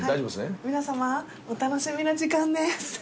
皆さまお楽しみの時間です。